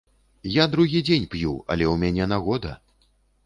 Я другі дзень п'ю, але ў мяне нагода.